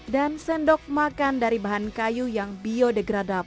dan sendok makan dari bahan kayu yang bio ingenius